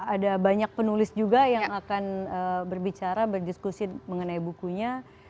ada banyak penulis juga yang akan berbicara berdiskusi mengenai bukunya